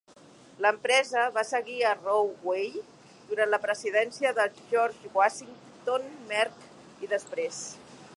L'empresa va seguir a Rahway durant la presidència de George W. Merck i després.